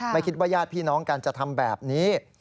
ไม่คิดว่าญาติพี่น้องกันจะทำแบบนี้